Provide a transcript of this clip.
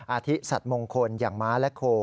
อาทิสัตว์มงคลอย่างม้าและโค